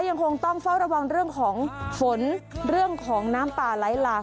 ยังคงต้องเฝ้าระวังเรื่องของฝนเรื่องของน้ำป่าไหลหลาก